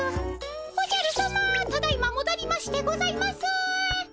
おじゃるさまただいまもどりましてございます。